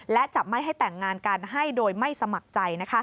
และจะไม่ให้แต่งงานกันให้โดยไม่สมัครใจ